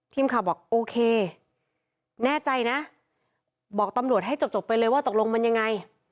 บอกโอเคแน่ใจนะบอกตำรวจให้จบไปเลยว่าตกลงมันยังไง